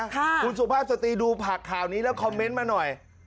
คุณสุภาพสตรีดูผักข่าวนี้แล้วคอมเมนต์มาหน่อย